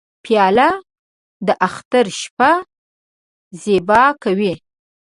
پیاله د اختر شپه زیبا کوي.